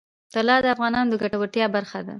طلا د افغانانو د ګټورتیا برخه ده.